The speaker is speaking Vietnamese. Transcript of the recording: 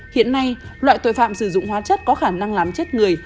hiện nay loại tội phạm sử dụng hóa chất có khả năng làm chết người